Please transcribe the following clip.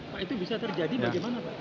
pak itu bisa terjadi bagaimana pak